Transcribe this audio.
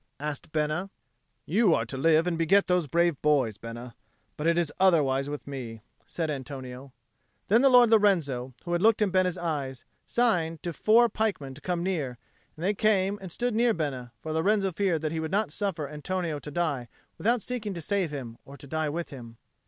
asked Bena. "You are to live and beget those brave boys, Bena. But it is otherwise with me," said Antonio. Then the Lord Lorenzo, who had looked in Bena's eyes, signed to four pikemen to come near, and they came and stood near Bena; for Lorenzo feared that he would not suffer Antonio to die without seeking to save him or to die with him.